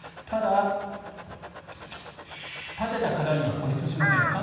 ただ、立てた課題には固執しません。